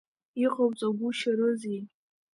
Иҟауҵагәышьарызеи?